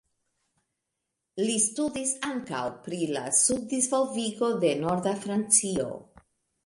Li studis ankaŭ pri la subdisvolvigo de Norda Francio.